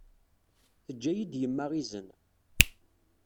Teǧǧa-iyi-d yemma izen.